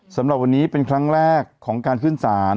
สำหรับวันนี้เป็นครั้งแรกของการขึ้นศาล